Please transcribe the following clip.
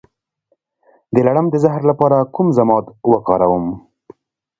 د لړم د زهر لپاره کوم ضماد وکاروم؟